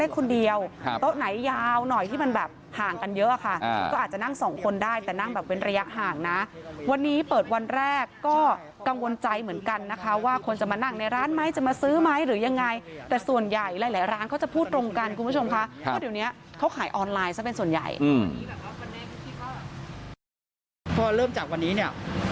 คนเดียวโต๊ะไหนยาวหน่อยที่มันแบบห่างกันเยอะค่ะก็อาจจะนั่งสองคนได้แต่นั่งแบบเป็นระยะห่างนะวันนี้เปิดวันแรกก็กังวลใจเหมือนกันนะคะว่าคนจะมานั่งในร้านไหมจะมาซื้อไหมหรือยังไงแต่ส่วนใหญ่หลายร้านเขาจะพูดตรงกันคุณผู้ชมค่ะเพราะเดี๋ยวนี้เขาขายออนไลน์ซะเป็นส่วนใหญ่เพราะเริ่มจากวันนี้เนี่ย